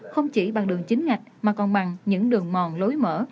không chỉ bằng đường chính ngạch mà còn bằng những đường mòn lối mở